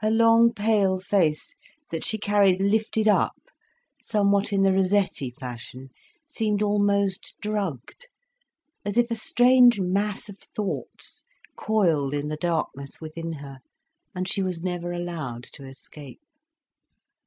Her long, pale face, that she carried lifted up, somewhat in the Rossetti fashion, seemed almost drugged, as if a strange mass of thoughts coiled in the darkness within her, and she was never allowed to escape.